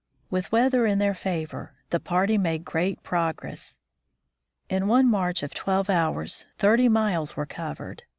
With weather in their favor the party made great prog ress. In one march of twelve hours thirty miles were covered.